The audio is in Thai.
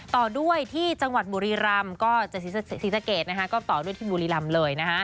ต่อด้วยที่จังหวัดบุรีรำก็จะศรีสะเกดก็ต่อด้วยที่บุรีรำเลยนะคะ